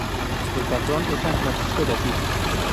El patrón es San Francisco de Asís.